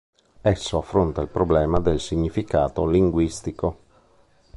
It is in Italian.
Esso affronta il problema del significato linguistico.